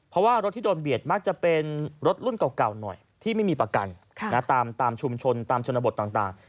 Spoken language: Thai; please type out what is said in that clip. เพราะว่ารถที่โดนเบียดมักจะเป็นรถรุ่นเก่าหน่อยที่ไม่มีประกันตามชุมชนตามชนบทต่าง